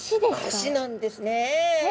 足なんですねえ。